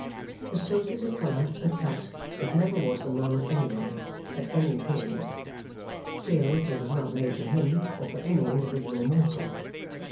His coat is a colour, and cut, that never was the mode anywhere, at any period. Clearly, it was not made for him, or for any individual mortal.